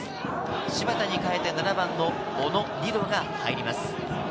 芝田に代えて７番の小野理竜が入ります。